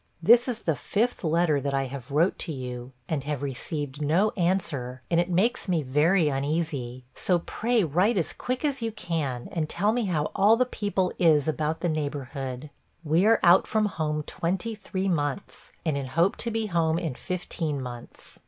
This is the fifth letter that I have wrote to you, and have received no answer, and it makes me very uneasy. So pray write as quick as you can, and tell me how all the people is about the neighborhood. We are out from home twenty three months, and in hope to be home in fifteen months.